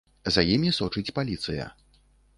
За імі сочыць паліцыя.